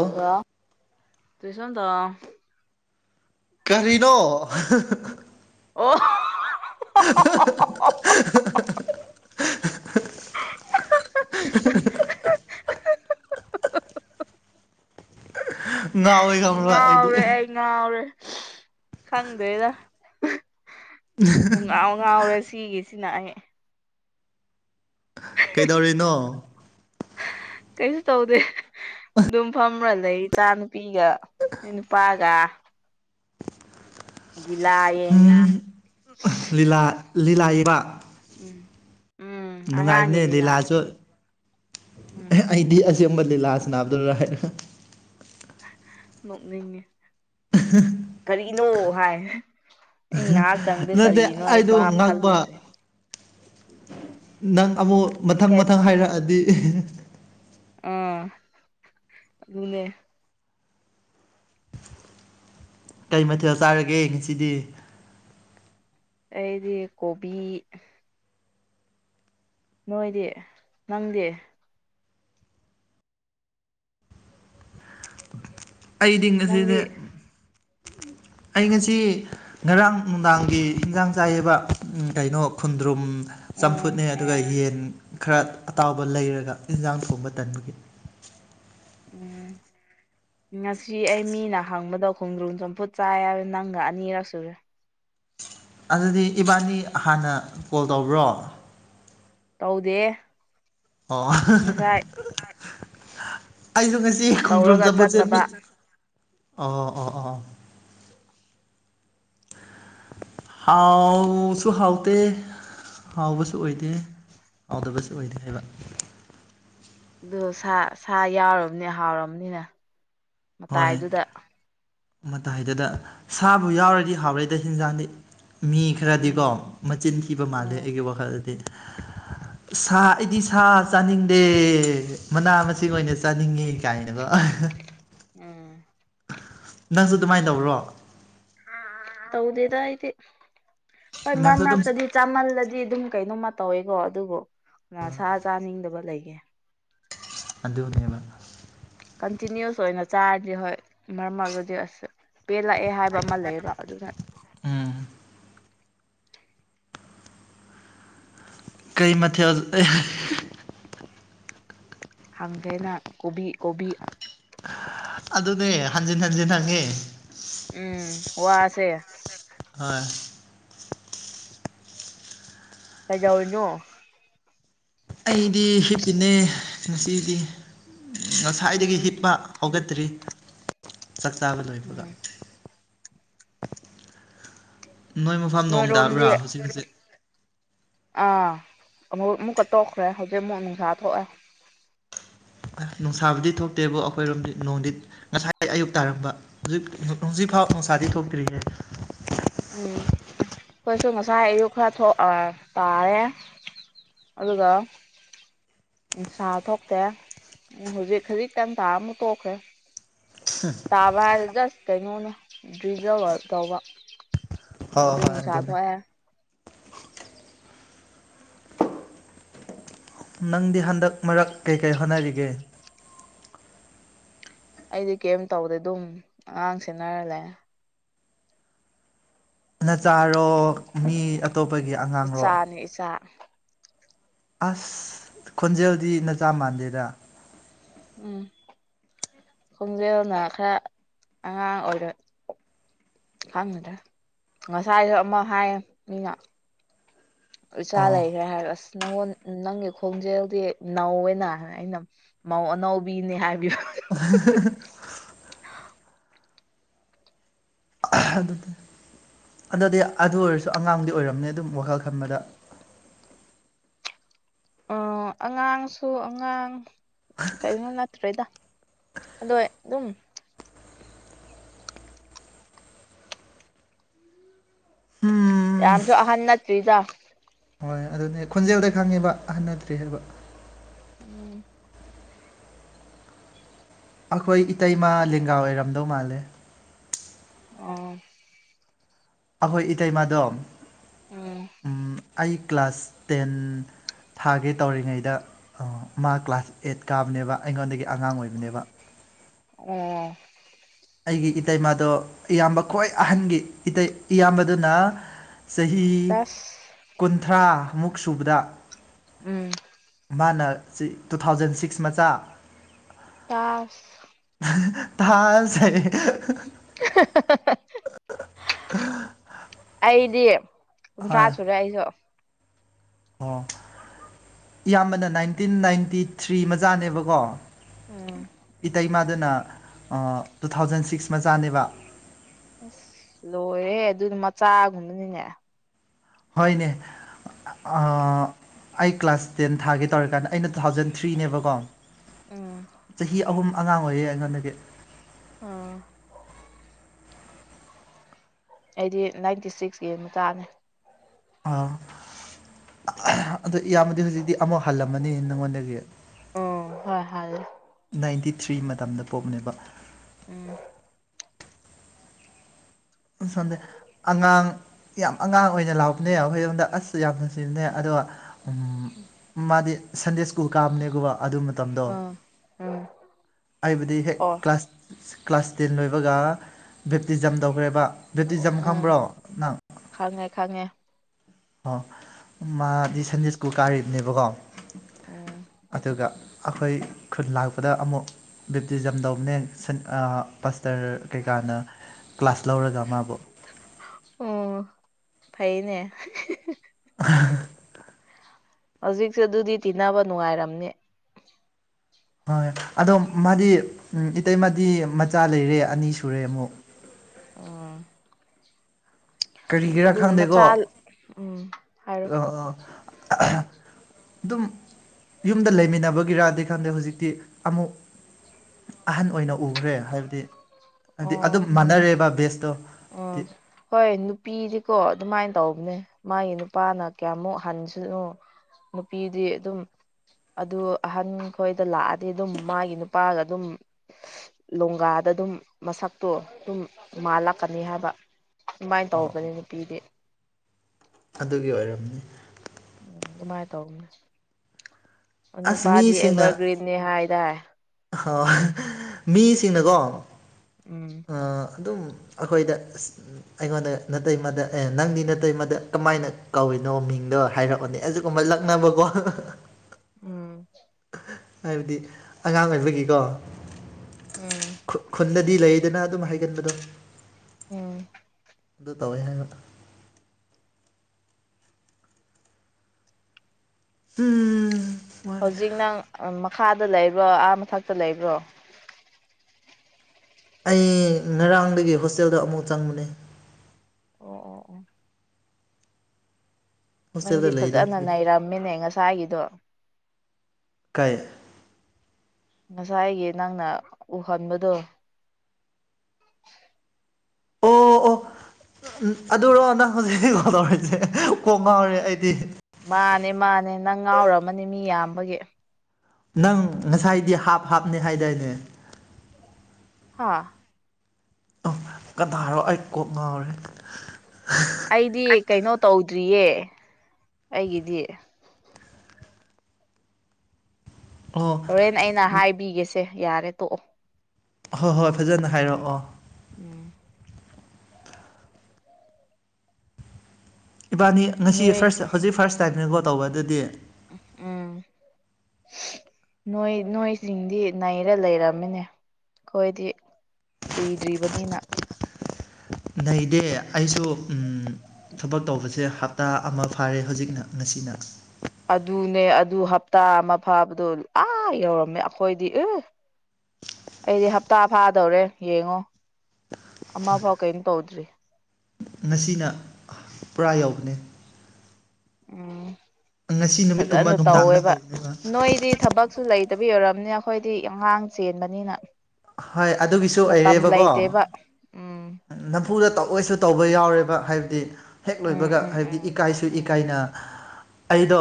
ꯑꯣ ꯇꯁꯣ ꯇ ꯀꯔꯤꯅꯣ ꯑꯣ [unintelligible] ꯉꯥꯎꯋꯦ ꯈꯪꯕ꯭ꯔꯥ ꯑꯩꯗꯤ ꯉꯥꯎꯔꯦ ꯑꯩ ꯉꯥꯎꯔꯦ ꯈꯪꯗꯦ ꯗ ꯎ ꯉꯥꯎꯔꯦ ꯁꯤꯒꯤꯁꯤꯅ ꯑꯩ ꯀꯩꯗꯧꯔꯤꯅꯣ ꯀꯩꯁꯨ ꯇꯧꯗꯦ ꯑꯗꯨꯝ ꯐꯝꯕ ꯂꯩ ꯏꯆꯥ ꯅꯨꯨꯄꯤꯒ ꯅꯨꯄꯥꯒ ꯂꯤꯂꯥ ꯌꯦꯡꯉꯤ ꯎꯝ ꯂꯤꯂꯥ ꯂꯤꯂꯥꯛꯕ ꯎꯝ ꯎꯝ ꯑꯉꯥꯡꯒꯤ ꯅꯨꯡꯉꯥꯏꯕꯅꯦ ꯂꯤꯂꯥ ꯂꯤꯂꯥꯁꯨ ꯎꯝ ꯑꯩꯗꯤ ꯆꯝꯕ ꯂꯤꯂꯥꯁꯅꯕꯗꯨ ꯔꯑꯅ ꯃꯅꯤꯡ [inaudible] ꯀꯔꯤꯅꯣ ꯍꯥꯏ ꯑꯩ ꯉꯥꯏꯍꯥꯛꯇꯪꯗꯤꯦ ꯅꯠꯇꯦ ꯀꯔꯤꯅꯣ ꯑꯩ ꯑꯩꯗꯣ ꯚꯥꯞ ꯉꯛꯄ ꯈꯜꯂꯨꯗ꯭ꯔꯦ ꯅꯪ ꯑꯃꯨꯛ ꯃꯊꯪ ꯀꯩ ꯃꯊꯪ ꯍꯥꯏꯔꯛꯑꯗꯤ ꯑꯥ ꯑꯗꯨꯅꯦ ꯀꯩ ꯃꯊꯦꯜ ꯆꯥꯔꯒꯦ ꯌꯦꯡꯤꯁꯤꯗꯤ ꯑꯩꯗꯤ ꯀꯣꯕꯤ ꯅꯣꯏꯗꯤ ꯅꯪꯗꯤ ꯑꯩꯗꯤ ꯅꯪꯗꯤ ꯉꯁꯤꯗ [inaudible] ꯑꯩ ꯉꯁꯤ ꯉꯔꯥꯡ ꯅꯨꯡꯗꯥꯡꯒꯤ ꯍꯤꯟꯖꯥꯡ ꯆꯥꯏꯌꯦꯕ ꯀꯩꯅꯣ ꯈꯨꯟꯗ꯭ꯔꯨꯝ ꯎꯝ ꯆꯝꯐꯨꯠꯅꯦ ꯑꯗꯨꯒ ꯌꯦꯟ ꯈꯔ ꯑꯇꯥꯎꯕ ꯂꯩꯔꯒ ꯏꯟꯖꯥꯡ ꯊꯣꯡꯕ ꯇꯟꯕꯒꯤ ꯎꯝ ꯉꯁꯤ ꯑꯩ ꯃꯤꯅ ꯍꯪꯕꯗꯣ ꯈꯣꯡꯗ꯭ꯔꯨꯝ ꯆꯝꯐꯨꯠ ꯆꯥ ꯍꯥꯏꯔꯦ ꯅꯪꯒ ꯑꯅꯤꯔꯛ ꯁꯨꯔꯦ ꯑꯗꯨꯗꯤ ꯏꯕꯥꯅꯤ ꯍꯥꯟꯅ ꯀꯣꯜ ꯇꯧꯕ꯭ꯔꯣ ꯇꯧꯗꯦ ꯑꯣ ꯉꯁꯥꯏ ꯑꯩꯁꯨ ꯉ ꯇꯧꯔꯒ ꯈꯪꯗ꯭ꯔꯝꯖ ꯆꯦ ꯆꯠꯇꯕ ꯃꯤ ꯑꯣ ꯑꯣ ꯑꯣ ꯍꯥꯎꯁꯨ ꯍꯥꯎꯇ ꯍꯥꯎꯕꯁꯨ ꯑꯣꯏꯗꯦ ꯍꯥꯎꯗꯕꯁꯨ ꯑꯣꯏꯗꯦ ꯍꯥꯏꯕ ꯑꯗꯨ ꯁꯥ ꯁꯥ ꯌꯥꯎꯔꯕꯅꯦ ꯍꯥꯎꯔꯕꯅꯤꯅ ꯍꯣꯏ ꯃꯇꯥꯏꯗꯨꯗ ꯃꯇꯥꯏꯗꯨꯗ ꯁꯥꯕꯨ ꯌꯥꯎꯔꯗꯤ ꯍꯥꯎꯔꯦꯏꯗ ꯍꯦꯟꯖꯥꯡꯗꯤ ꯃꯤ ꯈꯔꯗꯤꯀꯣ ꯎꯝ ꯃꯆꯤꯟ ꯊꯤꯕ ꯎꯝ ꯃꯥꯜꯂꯦ ꯑꯩꯒꯤ ꯋꯥꯈꯜꯗꯗꯤꯗꯤ [inaudible] ꯁꯥ ꯑꯩꯗꯤ ꯁꯥ ꯆꯥꯅꯤꯡꯗꯦ ꯃꯅꯥ ꯃꯁꯤꯡ ꯑꯣꯏꯅ ꯆꯥꯅꯤꯡꯉꯤ ꯀꯥꯏꯅꯅꯕ ꯎꯝ ꯅꯪꯁꯨ ꯑꯗꯨꯃꯥꯏꯅ ꯇꯧꯕ꯭ꯔꯣ ꯇꯧꯗꯦꯗ ꯍꯥꯏꯗꯤ ꯍꯣꯏ ꯃꯔꯛ ꯅꯪꯁꯨ ꯑꯗꯨꯝ ꯃꯔꯛꯇꯗꯤ ꯆꯥꯃꯜꯂꯗꯤ ꯑꯗꯨꯝ ꯀꯩꯅꯣꯝꯃ ꯇꯧꯋꯦꯀꯣ ꯑꯗꯨꯕꯨ ꯁꯥ ꯆꯥꯅꯤꯡꯗꯕ ꯂꯩꯒꯦ ꯑꯗꯨꯗꯅꯦꯕ ꯀꯟꯇꯤꯅꯤꯨꯁ ꯑꯣꯏꯅ ꯆꯥꯔꯗꯤ ꯍꯣꯏ ꯃꯔꯝ ꯑꯣꯏꯗꯤ ꯑꯁ ꯄꯦꯜꯂꯛꯑꯦ ꯍꯥꯏꯕ ꯑꯃ ꯂꯩꯌꯦꯕ ꯑꯗꯨꯒ ꯎꯝ ꯀꯩ ꯃꯊꯦꯜ ꯍꯥꯡꯪꯒꯦꯅ ꯀꯣꯕꯤ ꯀꯣꯕꯤ ꯑꯗꯨꯅꯦ ꯍꯟꯖꯤꯟ ꯍꯟꯖꯤꯟ ꯍꯪꯉꯦ ꯎꯝ ꯋꯥꯁꯦ ꯑꯣꯏ ꯀꯖꯥꯎ ꯑꯣꯏꯅꯣ ꯑꯩꯗꯤ ꯍꯤꯞꯄꯤꯅꯦ ꯉꯁꯤꯗꯤ ꯉꯁꯥꯏꯗꯒꯤ ꯎꯝ ꯍꯤꯞꯄ ꯍꯧꯒꯠꯇ꯭ꯔꯤ ꯆꯥꯛ ꯆꯥꯕ ꯂꯣꯏꯕꯒ ꯎꯝ ꯃꯐꯝ ꯅꯣꯏ ꯅꯣꯡ ꯇꯥꯕ꯭ꯔꯥ ꯔꯣꯝꯗ ꯍꯧꯖꯤꯛ ꯍꯧꯖꯤꯛ ꯑꯥ ꯑꯃ ꯑꯃꯨꯛꯀ ꯇꯣꯛꯈ꯭ꯔꯦ ꯍꯧꯖꯤꯛ ꯑꯃꯨꯛ ꯅꯨꯡꯁꯥ ꯊꯣꯛꯑꯦ ꯅꯨꯡꯁꯥꯕꯨꯗꯤ ꯊꯣꯛꯇꯦꯕ ꯑꯩꯈꯣꯏꯔꯣꯝꯗꯤ ꯅꯣꯡꯗꯤꯠ ꯉꯁꯥꯏ ꯑꯌꯨꯛ ꯇꯥꯔꯝꯕ ꯍꯧꯖꯤꯛ ꯐꯧ ꯅꯨꯡꯁꯥꯗꯤ ꯊꯣꯛꯇ꯭ꯔꯤꯒꯦ [inaudible] ꯎꯝ ꯑꯩꯈꯣꯏꯁꯨ ꯉꯁꯥꯏ ꯑꯌꯨꯛ ꯈꯔ ꯊꯣꯛ ꯇꯥꯔꯦ ꯑꯗꯨꯒ ꯅꯨꯡꯁꯥ ꯊꯣꯛꯇꯦ ꯍꯧꯖꯤꯛ ꯈꯤꯖꯤꯛ ꯇꯥꯟ ꯇꯥ ꯑꯃꯨꯛ ꯇꯣꯛꯈ꯭ꯔꯦ ꯇꯥꯕ ꯍꯥꯏꯔ ꯖꯁ ꯀꯩꯅꯣꯅꯦ ꯗ꯭ꯔꯤꯖꯔ ꯇꯧꯕ ꯍꯣꯏ ꯍꯧꯖꯤꯛ ꯍꯣꯏ ꯅꯨꯁꯥ ꯑꯗꯨꯅꯦ ꯊꯣꯛꯑꯦ ꯅꯪꯗꯤ ꯍꯟꯗꯛ ꯃꯔꯛ ꯀꯩꯀꯩ ꯍꯣꯠꯅꯔꯤꯒꯦ ꯑꯩꯗꯤ ꯀꯔꯤꯝ ꯇꯧꯗꯦ ꯑꯗꯨꯝ ꯑꯉꯥꯡ ꯁꯦꯟꯅꯔꯂꯦ ꯅꯆꯥꯔꯣ ꯃꯤ ꯑꯇꯣꯞꯄꯒꯤ ꯑꯉꯥꯡꯔꯣ ꯏꯆꯥꯅꯤ ꯏꯆꯥ ꯑꯁ ꯈꯣꯟꯖꯦꯜꯗꯤ ꯅꯆꯥ ꯃꯥꯟꯗꯦꯗ ꯎꯝ ꯈꯣꯡꯖꯦꯜꯅ ꯈꯔ ꯑꯉꯥꯡ ꯑꯣꯏꯔꯣꯏ ꯈꯪꯒꯗ꯭ꯔꯦ ꯉꯁꯥꯏꯁꯨ ꯑꯃ ꯍꯥꯏꯌꯦ ꯃꯤꯅ ꯏꯆꯥ ꯑꯣ ꯂꯩꯈ꯭ꯔꯦ ꯍꯥꯏꯔ ꯑꯁ ꯅꯪꯉꯣꯟ ꯅꯪꯒꯤ ꯈꯣꯡꯖꯦꯜꯗꯤ ꯅꯧꯋꯦꯅ ꯑꯩꯅ ꯃꯧ ꯑꯅꯥꯎꯕꯤꯅꯤ ꯍꯥꯏꯕ [unintelligible] ꯑꯗꯨꯗꯤ ꯑꯗꯨꯗꯤ ꯑꯗꯨ ꯑꯣꯏꯔꯁꯨ ꯑꯉꯥꯡꯗꯤ ꯑꯣꯏꯔꯝꯅꯤ ꯑꯗꯨꯝ ꯋꯥꯈꯜ ꯈꯟꯕꯗ [unintelligible] ꯑꯣ ꯑꯉꯥꯡꯁꯨ ꯑꯉꯥꯡ ꯀꯩꯅꯣ ꯅꯠꯇ꯭ꯔꯦꯗ ꯑꯗꯣ ꯑꯗꯨꯝ ꯎꯝ ꯌꯥꯝꯁꯨ ꯑꯍꯥꯟ ꯅꯠꯇꯔꯤꯗ ꯍꯣꯏ ꯑꯗꯨꯅꯦ ꯈꯣꯟꯖꯦꯜꯗ ꯈꯪꯉꯦꯕ ꯑꯍꯟꯅꯠꯗ꯭ꯔꯤ ꯍꯥꯏꯕ [unintelligible] ꯑꯩꯈꯣꯏ ꯏꯇꯩꯃ ꯂꯦꯡꯒꯥ ꯑꯣꯏꯔꯝꯗꯧ ꯃꯥꯜꯂꯦ ꯑ ꯑꯈꯣꯏ ꯏꯇꯩꯩꯃꯥꯗꯣ ꯎꯝ ꯑꯩ ꯀ꯭ꯂꯥꯁ ꯇꯦꯟ ꯊꯥꯒꯤ ꯇꯧꯔꯤꯉꯩꯗ ꯃꯥ ꯀ꯭ꯂꯥꯁ ꯑꯦꯠ ꯀꯥꯕꯅꯦꯕ ꯑꯩꯉꯣꯟꯗꯒꯤ ꯑꯉꯥꯡ ꯑꯣꯏꯕꯅꯦꯕ ꯑꯣ ꯑꯩꯒꯤ ꯏꯇꯩꯃꯗꯣ ꯏꯌꯥꯝꯕ ꯈ꯭ꯋꯥꯏ ꯑꯍꯟꯒꯤ ꯏꯌꯥꯝꯕꯗꯨꯅ ꯆꯍꯤ ꯇꯁ ꯀꯨꯟꯊ꯭ꯔꯥꯃꯨꯛ ꯁꯨꯕꯗ ꯎꯝ ꯃꯥꯅ ꯇꯨ ꯊꯥꯎꯖꯟ ꯁꯤꯛꯁ ꯃꯆꯥ ꯑꯁ ꯊꯁꯦ [unintelligible] [unintelligible] ꯑꯩꯗꯤ ꯀꯨꯟꯊ꯭ꯔꯥ ꯍꯣꯏ ꯁꯨꯔꯦ ꯑꯩꯁꯨ ꯑꯣ ꯏꯌꯥꯝꯕꯅ ꯅꯥꯏꯟꯇꯤꯟ ꯅꯥꯏꯟꯇꯤ ꯊ꯭ꯔꯤ ꯃꯆꯥꯅꯦꯕꯀꯣ ꯎꯝ ꯏꯇꯩꯃꯗꯨꯅ ꯇꯨ ꯊꯥꯎꯖꯟ ꯁꯤꯛꯁ ꯃꯆꯥꯅꯦꯕ ꯑꯁ ꯂꯣꯏꯔꯦ ꯑꯗꯨꯗꯤ ꯃꯆꯥꯒꯨꯝꯕꯅꯤꯅꯦ ꯍꯣꯏꯅꯦ ꯑꯩ ꯀ꯭ꯂꯥꯁ ꯇꯦꯟ ꯊꯥꯒꯦ ꯇꯧꯔꯀꯥꯟꯗ ꯑꯩꯅ ꯇꯨ ꯊꯥꯎꯖꯟ ꯊ꯭ꯔꯤꯅꯦꯕꯀꯣ ꯎꯝ ꯆꯍꯤ ꯑꯍꯨꯝ ꯑꯉꯥꯡ ꯑꯣꯏꯌꯦ ꯑꯩꯉꯣꯟꯗꯒꯤ [unintelligible] ꯑꯩꯗꯤ ꯅꯥꯏꯟꯇꯤ ꯁꯤꯛꯁ ꯌꯦꯡꯕ ꯇꯥꯅꯤ ꯑ ꯑ ꯌꯥꯝꯕꯗꯤ ꯍꯧꯖꯤꯛꯇꯤ ꯑꯃꯨꯛ ꯍꯜꯂꯝꯃꯅꯤ ꯅꯪꯉꯣꯟꯗꯒꯤ ꯎꯝ ꯍꯣꯏ ꯍꯥꯏ ꯅꯥꯏꯟꯇꯤ ꯊ꯭ꯔꯤ ꯃꯇꯝꯗ ꯄꯣꯛꯞꯅꯦꯕ ꯎꯝ ꯁꯣꯝꯗꯦ ꯑꯉꯥꯡ ꯌꯥꯝ ꯑꯉꯥꯡ ꯑꯣꯏꯅ ꯂꯥꯎꯕꯅꯦ ꯑꯩꯈꯣꯏꯔꯣꯝꯗ ꯑꯁꯁꯨ ꯌꯥꯝ ꯅꯨꯡꯁꯤꯕꯅꯦ ꯑꯗꯣ ꯃꯥꯗꯤ ꯁꯟꯗꯦ ꯁ꯭ꯀꯨꯜ ꯀꯥꯕꯅꯦꯒꯨꯝꯕ ꯑꯗꯨ ꯃꯇꯝꯗꯣ ꯑꯥ ꯎꯝ ꯑꯩꯕꯨꯗꯤ ꯍꯦꯛ ꯑꯣ ꯀ꯭ꯂꯥꯁ ꯀ꯭ꯂꯥꯁ ꯇꯦꯟ ꯂꯣꯏꯕꯒ ꯕꯦꯞꯇꯤꯖꯝ ꯇꯧꯈ꯭ꯔꯦꯕ ꯕ꯭ꯦꯇꯤꯖꯝ ꯎꯝ ꯈꯪꯕ꯭ꯔꯣ ꯅꯪ ꯈꯪꯉꯦ ꯈꯪꯉꯦ ꯑꯣ ꯃꯥꯗꯤ ꯁꯟꯗꯦ ꯁ꯭ꯀꯨꯜ ꯀꯥꯔꯤꯕꯅꯦꯕꯀꯣ ꯎꯝ ꯑꯗꯨꯒ ꯑꯩꯈꯣꯏ ꯈꯨꯟ ꯂꯥꯛꯄꯗ ꯑꯃꯨꯛ ꯕꯦꯞꯇꯤꯖꯝꯗ ꯄꯁꯇꯔ ꯀꯩꯀꯥꯅ ꯀ ꯀ꯭ꯂꯥꯁꯥꯁ ꯂꯔ ꯃꯕ ꯎꯝ [inaudible] [inaudible] ꯍꯧꯖꯤꯛꯁꯦ ꯑꯗꯨꯗꯤ ꯇꯤꯟꯅꯕ ꯅꯨꯡꯉꯥꯏꯔꯝꯅꯤ ꯍꯣꯏ ꯑꯗꯣ ꯃꯥꯗꯤ ꯏꯇꯩꯃꯗꯤ ꯃꯆꯥ ꯂꯩꯔꯦ ꯑꯅꯤ ꯁꯨꯔꯦ ꯑꯃꯨꯛ ꯑꯣ ꯀꯔꯤꯒꯤꯔꯥ ꯈꯪꯗꯦꯀꯣ ꯃꯆꯥ ꯎꯝ ꯍꯥꯏꯔꯣ ꯑ ꯑꯗꯨꯝ ꯌꯨꯝꯗ ꯂꯩꯃꯤꯟꯅꯕꯒꯤꯔꯗꯤ ꯈꯥꯟꯗ ꯍꯧꯖꯤꯛꯇꯤ ꯑꯃꯨꯛ ꯑꯍꯟ ꯑꯣꯏꯅ ꯎꯈ꯭ꯔꯦ ꯍꯥꯏꯕꯗꯤ ꯍꯥꯏꯗꯤ ꯑꯗꯨꯝ ꯑꯣ ꯃꯥꯟꯅꯔꯦꯕ ꯕꯦꯁꯇꯣ ꯄꯤꯗꯤꯀꯣ ꯑꯗꯨꯃꯥꯏꯅ ꯇꯧꯕꯅꯦ ꯃꯥꯒꯤ ꯅꯨꯄꯥꯅ ꯀꯌꯥꯃꯨꯛ ꯍꯟꯁꯅꯨ ꯅꯨꯄꯤꯗꯤ ꯑꯗꯨꯝ ꯑꯗꯨ ꯑꯍꯟ ꯈꯣꯏꯗ ꯂꯥꯛꯑꯗꯤ ꯑꯗꯨꯝ ꯃꯥꯒꯤ ꯅꯨꯄꯥꯒ ꯑꯗꯨꯝ ꯂꯣꯡꯒꯥꯗ ꯑꯗꯨꯝ ꯃꯁꯛꯇꯣ ꯑꯗꯨꯝ ꯃꯥꯜꯂꯛꯀꯅꯤ ꯍꯥꯏꯕ ꯑꯗꯨꯃꯥꯏꯅ ꯑꯣ ꯇꯧꯕꯅꯤ ꯑꯣ ꯅꯨꯄꯤꯗꯤ ꯑꯗꯨꯒꯤ ꯑꯣꯏꯔꯝꯅꯤ ꯎꯝ ꯑꯗꯨꯃꯥꯏꯅ ꯇꯧꯅꯤ ꯑꯁ ꯅꯨꯄꯥꯗꯤ ꯃꯤꯁꯤꯡꯅ ꯑꯦꯚꯔꯒ꯭ꯔꯤꯟꯅꯦ ꯍꯥꯏꯗꯥ ꯃꯤꯁꯤꯡꯅꯀꯣ ꯎꯝ ꯑꯗꯨꯝ ꯑꯩꯈꯣꯏꯗ ꯑꯩꯉꯣꯟꯗ ꯅꯅꯥꯇꯩꯃꯗ ꯑꯦ ꯅꯪꯗꯤ ꯅꯠꯇꯇꯩꯃꯗ ꯀꯃꯥꯏꯅ ꯀꯧꯏ ꯀꯩꯅꯣ ꯃꯤꯡꯗꯣ ꯍꯥꯏꯔꯛꯑꯣꯅꯦ ꯑꯗꯨꯒꯨꯝꯕ ꯂꯛꯅꯕꯀꯣ ꯎꯝ ꯍꯥꯏꯕꯗꯤ ꯑꯉꯥꯡ ꯑꯣꯏꯕꯒꯤꯀꯣ ꯎꯝ ꯈꯨꯟꯗ ꯀꯗꯤ ꯂꯩꯗꯅ ꯑꯗꯨꯝ ꯍꯥꯏꯒꯟꯕꯗꯣ ꯎꯝ ꯑꯗꯨ ꯇꯧꯋꯦ ꯍꯥꯏꯅ ꯎꯝ ꯋꯥꯔꯦ ꯍꯧꯖꯤꯛ ꯅꯪ ꯃꯈꯥꯗ ꯂꯩꯕ꯭ꯔꯣ ꯑꯥ ꯃꯊꯛꯇ ꯂꯩꯕ꯭ꯔꯣ ꯑꯩ ꯉꯔꯥꯡꯗꯒꯤ ꯍꯣꯁꯇꯦꯜꯗ ꯑꯃꯨꯛ ꯆꯪꯕꯅꯦ ꯑꯣ ꯑꯣ ꯑꯣ ꯍꯣꯁꯇꯦꯜꯗ ꯅꯪꯗꯤ ꯂꯩꯗ ꯐꯖꯅ ꯍꯧꯖꯤꯛ ꯅꯔꯝꯃꯤꯅꯦ ꯉꯁꯥꯏꯒꯤꯗꯣ ꯀꯥꯏ ꯉꯁꯥꯏꯒꯤ ꯅꯪꯅ ꯎꯍꯟꯕꯗꯣ ꯑꯣ ꯎꯝ ꯑꯗꯨꯔꯣ ꯅꯪ ꯍꯧꯖꯤꯛ ꯍꯧ ꯀꯣꯗꯧꯔꯤꯁꯦ ꯀꯣꯛ ꯉꯥꯎꯔꯦ ꯑꯩꯗꯤ ꯃꯥꯅꯦ ꯃꯥꯅꯦ ꯅꯪ ꯉꯥꯎꯔꯝꯃꯅꯤ ꯃꯤ ꯌꯥꯝꯕꯒꯤ ꯅꯪ ꯉꯁꯥꯏꯗꯤ ꯍꯥꯞ ꯍꯥꯞꯅꯤ ꯍꯥꯏꯗꯥꯏꯅꯦ ꯑ ꯑꯣ ꯀꯗꯥꯔꯣ ꯑꯩ ꯀꯣꯛ ꯉꯥꯎꯔꯦ ꯑꯩꯗꯤ ꯀꯩꯅꯣ ꯇꯧꯗ꯭ꯔꯤꯌꯦ ꯑꯩꯒꯤꯗꯤ ꯑꯣ ꯍꯣꯔꯦꯟ ꯑꯩꯅ ꯍꯥꯏꯕꯤꯒꯦꯁꯦ ꯌꯥꯔꯦ ꯇꯣꯛꯑꯣ ꯍꯣꯏ ꯍꯣꯏ ꯐꯖꯅ ꯍꯥꯏꯔꯛꯑꯣ ꯎꯝ ꯏꯕꯥꯅꯤ ꯉꯁꯤ ꯅꯣꯏ ꯐꯥꯔꯁ ꯍꯧꯖꯤꯛ ꯐꯥꯔꯁ ꯇꯥꯏꯝꯁꯤꯀꯣ ꯇꯧꯕꯗꯗꯤ ꯎꯝ ꯅꯣꯏ ꯅꯣꯏꯁꯤꯡꯗꯤ ꯅꯩꯔ ꯂꯩꯔꯝꯃꯤꯅꯦ ꯑꯩꯈꯣꯏꯗꯤ ꯀꯨꯏꯗ꯭ꯔꯤꯕꯅꯤꯅ ꯅꯗꯦ ꯑꯩꯁꯨ ꯊꯕꯛ ꯇꯧꯕꯁꯦ ꯍꯞꯇꯥ ꯑꯃ ꯐꯥꯔꯦ ꯍꯧꯖꯤꯛꯅ ꯉꯁꯤꯅ ꯑꯗꯨꯅꯦ ꯑꯗꯨ ꯍꯞꯇꯥ ꯑꯃ ꯐꯥꯕꯗꯣ ꯑꯥ ꯌꯧꯔꯝꯃꯦ ꯑꯩꯈꯣꯏꯗꯤ ꯎ ꯑꯩꯗꯤ ꯍꯞꯇꯥ ꯐꯥꯗꯧꯔꯦ ꯌꯦꯡꯉꯣ ꯑꯃꯥ ꯐꯥꯎ ꯀꯩꯅꯝꯣ ꯇꯧꯗ꯭ꯔꯤ ꯉꯁꯤꯅ ꯄꯨꯔꯥ ꯌꯥꯎꯕꯅꯤ ꯎꯝ ꯅꯨꯃꯤꯠꯀꯨꯝꯕ ꯐꯖꯅ ꯅꯨꯡꯗꯥꯡꯗ ꯇꯧꯋꯦꯕ ꯍꯧꯕꯅꯦꯕ ꯅꯣꯏꯗꯤ ꯊꯕꯛꯁꯨ ꯂꯩꯇꯕ ꯌꯎꯔꯝꯅꯤ ꯑꯩꯈꯣꯏꯗꯤ ꯑꯉꯥꯡ ꯆꯦꯟꯕꯅꯤꯅ ꯍꯣꯏ ꯑꯗꯨꯒꯤꯁꯨ ꯃꯇꯝ ꯑꯣꯏꯔꯦꯕꯀꯣ ꯂꯩꯇꯦꯕ ꯎꯝ ꯅꯝꯐꯨꯗ ꯇꯧꯑꯣꯏꯁꯨ ꯇꯧꯕ ꯌꯥꯎꯔꯦꯕ ꯍꯥꯏꯕꯗꯤ ꯍꯦꯛ ꯎꯝ ꯂꯣꯏꯕꯒ ꯎꯝ ꯍꯥꯏꯕꯗꯤ ꯎꯝ ꯏꯀꯥꯏꯁꯨ ꯎꯝ ꯏꯀꯥꯏꯅ ꯑꯩꯗꯣ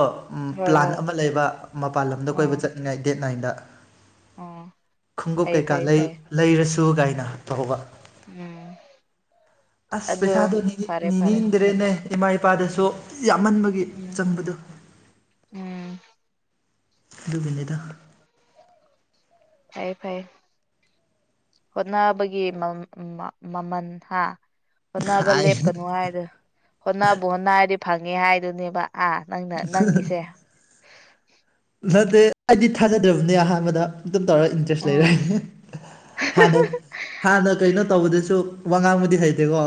ꯍꯣꯏ ꯄ꯭ꯂꯥꯟ ꯍꯣꯏ ꯑꯃ ꯂꯩꯕ ꯃꯄꯥꯟ ꯂꯝꯗ ꯎꯝ ꯀꯣꯏꯕ ꯆꯠꯅꯤꯡꯉꯥꯏ ꯗꯦꯠ ꯅꯥꯏꯟꯗ ꯎꯝ ꯈꯣꯡꯎꯞ ꯐꯩ ꯀꯩꯀꯥ ꯐꯩ ꯐꯩ ꯂꯩꯔꯁꯨ ꯀꯥꯏꯅ ꯍꯥ ꯇꯣꯛꯍꯧꯕ ꯎꯝ ꯑꯁ ꯑꯗꯨ ꯄꯩꯁꯥꯗꯣ ꯐꯔꯦ ꯐꯔꯦ ꯅꯤꯡꯗ꯭ꯔꯦꯅꯦ ꯏꯃꯥ ꯏꯄꯥꯗꯁꯨ ꯌꯥꯝꯃꯟꯕꯒꯤ ꯎꯝ ꯆꯪꯕꯗꯨ ꯎꯝ ꯑꯗꯨꯚꯩꯗ ꯐꯩ ꯐꯩ ꯍꯣꯠꯅꯕꯒꯤ ꯃꯃꯜ ꯍꯥ ꯍꯣꯠꯅꯕ ꯍꯥꯏ ꯂꯦꯞꯀꯅꯨ ꯍꯥꯏꯗꯨ ꯍꯣꯠꯅꯕ ꯍꯣꯠꯅ ꯍꯥꯏꯔꯗꯤ ꯐꯪꯉꯦ ꯍꯥꯏꯗꯨꯅꯦꯕ ꯑꯥ ꯅꯪꯅ ꯅꯪꯤꯁꯦ ꯅꯠꯇꯦ ꯑꯩꯗꯤ ꯊꯥꯖꯗ꯭ꯔꯕꯅꯦ ꯑꯍꯥꯟꯕꯗ ꯇ ꯇꯧꯔ ꯏꯟꯇꯔꯦꯁ ꯂꯩꯔ ꯎꯝ ꯍꯥꯟꯅ ꯍꯥꯟꯅ ꯀꯩꯅꯣ ꯇꯧꯕꯗ ꯁ ꯋꯥꯉꯥꯡꯕꯨꯨꯗꯤ ꯍꯩꯇꯦꯀꯣ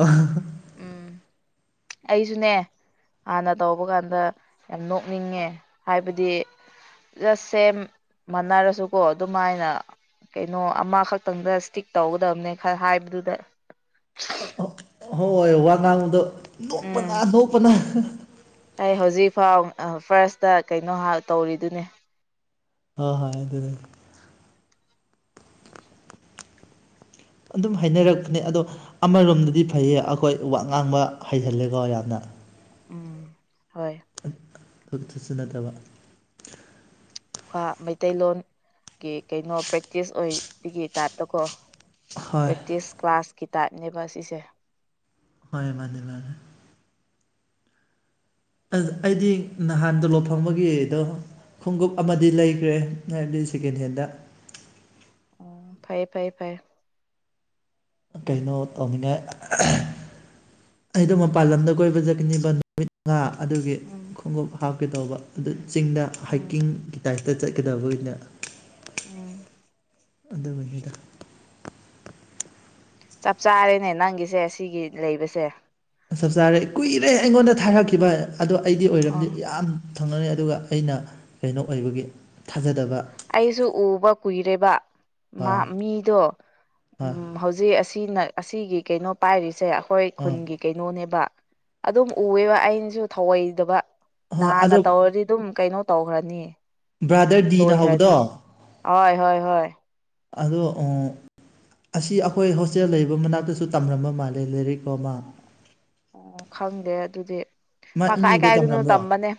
ꯎꯝ ꯑꯩꯁꯨꯅꯦ ꯍꯥꯟꯅ ꯇꯧꯕ ꯀꯥꯟꯗ ꯌꯥꯝ ꯅꯣꯛꯅꯤꯡꯉꯦ ꯍꯥꯏꯕꯗꯤ ꯖꯁ ꯁꯦꯝ ꯃꯅꯔꯁꯨꯀꯣ ꯑꯗꯨꯃꯥꯏꯅ ꯀꯩꯅꯣ ꯑꯃꯈꯛꯇꯪꯗ ꯏꯁꯇꯤꯛ ꯇꯧꯒꯗꯕꯅꯦ ꯈꯔ ꯍꯥꯏꯕꯗꯨꯗ ꯍꯣꯏ ꯍꯣꯏ ꯋꯥ ꯉꯥꯡꯨꯗꯣ ꯎꯝ ꯅꯣꯛꯄꯅ ꯅꯣꯛꯄꯅ ꯑꯩ ꯍꯧꯖꯤꯛꯐꯥꯎ ꯐꯥꯔꯁꯇ ꯀꯩꯅꯣ ꯇꯧꯔꯤꯗꯨꯅꯦ ꯑ ꯍꯣꯏ ꯏ ꯑꯗꯨ ꯑꯗꯨ ꯑꯗꯨꯝ ꯍꯥꯏꯅꯔꯛꯄꯅꯦ ꯑꯗꯣ ꯑꯃꯔꯣꯝꯗꯗꯤ ꯐꯩꯌꯦ ꯑꯩꯈꯣꯏ ꯋꯥ ꯉꯥꯡꯕ ꯍꯩꯍꯜꯂꯦꯀꯣ ꯌꯥꯝꯅ ꯎꯝ ꯍꯣꯏ ꯑꯗꯨꯛꯇꯁꯨ ꯅꯠꯇꯕ ꯈꯔ ꯃꯩꯇꯩꯂꯣꯟꯒꯤ ꯀꯩꯅꯣ ꯄ꯭ꯔꯦꯛꯇꯤꯁ ꯑꯣꯏꯕꯒꯤ ꯇꯥꯏꯞꯇꯀꯣ ꯍꯣꯏ ꯄ꯭ꯔꯦꯛꯇꯤꯁ ꯀ꯭ꯂꯥꯁꯀꯤ ꯇꯥꯏꯞꯅꯦꯕ ꯁꯤꯁꯦ ꯍꯣꯏ ꯃꯥꯅꯦ ꯃꯥꯅꯦ ꯑꯗꯨ ꯑꯩꯗꯤ ꯅꯍꯥꯟ ꯇꫭꯂꫭꯞ ꯐꯪꯕꯒꯤꯗꯣ ꯈꯨꯡꯉꯨꯞ ꯑꯃꯗꯤ ꯂꯩꯈ꯭ꯔꯦ ꯍꯥꯏꯕꯗꯤ ꯁꯦꯀꯦꯟ ꯍꯦꯟꯗ [inaudible] [unintelligible] ꯐꯩ ꯐꯩ ꯐꯩ ꯀꯩꯅꯣ ꯇꯧꯅꯤꯅꯦ ꯑꯩꯗꯣ ꯃꯄꯥꯟ ꯂꯝꯗ ꯀꯣꯏꯕ ꯆꯠꯀꯅꯦꯕ ꯅꯨꯃꯤꯠ ꯃꯪꯉꯥ ꯑꯗꯨꯒꯤ ꯎꯝ ꯈꯨꯡꯉꯨꯞ ꯍꯥꯞꯀꯦꯇꯧꯕ ꯑꯗꯨ ꯆꯤꯡꯗ ꯎꯝ ꯍꯥꯏꯀꯤꯡꯒꯤ ꯇꯥꯏꯞꯇ ꯑꯗ ꯆꯠꯀꯗꯕ ꯃꫭꯏꯅ ꯎꯝ ꯑꯗꯨꯅꯤꯗ ꯆꯞ ꯆꯥꯔꯦꯅꯦ ꯅꯪꯒꯤꯁꯦ ꯁꯤꯒꯤ ꯂꯩꯕꯁꯦ ꯆꯞ ꯆꯥꯔꯦ ꯀꯨꯏꯔꯦ ꯑꯩꯉꯣꯟꯗ ꯊꯥꯔꯛꯈꯤꯕ ꯑꯗꯣ ꯑꯩꯗꯤ ꯑꯣꯏꯔꯝꯗꯤ ꯑꯥ ꯌꯥꯝ ꯊꯨꯡꯂꯔꯦ ꯑꯗꯨꯒ ꯑꯩꯅ ꯀꯩꯅꯣ ꯑꯣꯏꯕꯒꯤ ꯊꯥꯖꯗꯕ ꯑꯩꯁꯨ ꯎꯕ ꯀꯨꯏꯔꯦꯕ ꯃꯥ ꯍꯣꯏ ꯃꯤꯗꯣ ꯍꯣꯏ ꯎꯝ ꯍꯧꯖꯤꯛ ꯑꯁꯤꯅ ꯑꯁꯤꯒꯤ ꯀꯩꯅꯣ ꯄꯥꯏꯔꯤꯁꯦ ꯑꯩꯈꯣꯏ ꯑꯥ ꯈꯨꯟꯒꯤ ꯀꯩꯅꯣꯅꯦꯕ ꯑꯗꯨꯝ ꯎꯑꯦꯕ ꯑꯩꯅꯁꯨ ꯊꯧꯑꯣꯏꯗꯕ ꯍꯣꯏ ꯅꯍꯥꯟꯅ ꯑꯗꯣ ꯇꯧꯔꯗꯤ ꯑꯗꯨꯝ ꯀꯩꯅꯣ ꯇꯧꯈ꯭ꯔꯅꯤ ꯕ꯭ꯔꯗꯔ ꯗꯤꯅ ꯂꯣꯏꯈ꯭ꯔꯅꯤ ꯍꯧꯕꯗꯣ ꯍꯣꯏ ꯍꯣꯏ ꯍꯣꯏ ꯑꯗꯣ ꯑꫭ ꯑꯁꯤ ꯑꯩꯈꯣꯏ ꯍꯣꯁꯇꯦꯜ ꯂꯩꯕ ꯃꯅꯥꯛꯇꯁꯨ ꯇꯝꯂꯝꯕ ꯃꯥꯜꯂꯦ ꯂꯥꯏꯔꯤꯛ ꯑꯃꯥ ꯑꫭ ꯈꯪꯗꯦ ꯑꯗꯨꯗꯤ ꯃꯥ ꯑꯦꯝ ꯀꯥꯏ ꯌꯨꯗ ꯀꯥꯏꯗꯅꯣ ꯇꯝꯔꯝꯕ꯭ꯔꯣ ꯇꯝꯕꯅꯦ